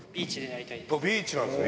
ビーチなんですか？